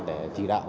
để chỉ đạo